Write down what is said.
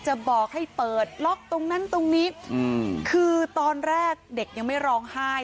บอกให้เปิดล็อกตรงนั้นตรงนี้อืมคือตอนแรกเด็กยังไม่ร้องไห้